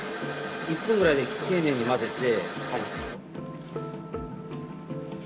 １分ぐらいで丁寧に混ぜて。